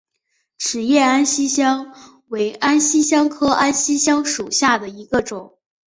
齿叶安息香为安息香科安息香属下的一个种。